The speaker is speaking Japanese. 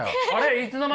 いつの間に？